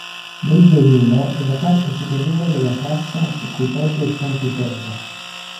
Nel violino è la parte superiore della cassa su cui poggia il ponticello.